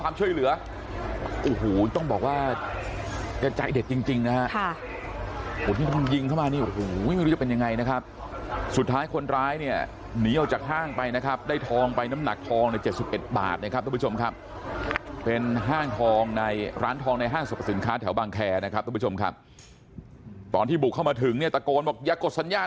ช่วยเหลือโอ้โหต้องบอกว่าแกใจเด็ดจริงจริงนะฮะคนที่โดนยิงเข้ามานี่โอ้โหไม่รู้จะเป็นยังไงนะครับสุดท้ายคนร้ายเนี่ยหนีออกจากห้างไปนะครับได้ทองไปน้ำหนักทองใน๗๑บาทนะครับทุกผู้ชมครับเป็นห้างทองในร้านทองในห้างสรรพสินค้าแถวบางแคร์นะครับทุกผู้ชมครับตอนที่บุกเข้ามาถึงเนี่ยตะโกนบอกอย่ากดสัญญา